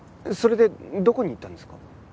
それでどこに行ったんですか？